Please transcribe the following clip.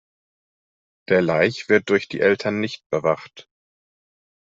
Der Laich wird durch die Eltern nicht bewacht.